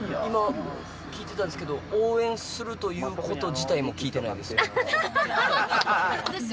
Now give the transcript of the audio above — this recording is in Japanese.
聞いてたんですけど、応援するということ自体も聞いてないですね。ですよ。